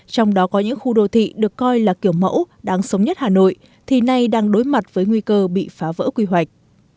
trong đó có những khu đô thị được coi là kiểu mẫu đáng sống nhất hà nội thì nay đang đối mặt với nguy cơ bị phá vỡ quy hoạch